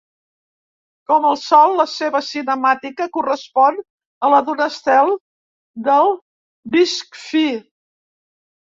Com el Sol, la seva cinemàtica correspon a la d'un estel del disc fi.